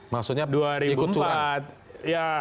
maksudnya ikut curang